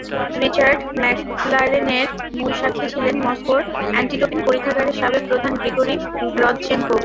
Richard ম্যাকলারেনের মূল সাক্ষী ছিলেন মস্কোর অ্যান্টিডোপিং পরীক্ষাগারের সাবেক প্রধান গ্রিগরি রদচেনকোভ।